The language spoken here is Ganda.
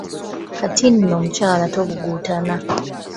Kati nno mukyala tobuguutana.